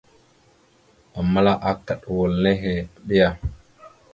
Aməla akaɗ wal nehe, aɓiya.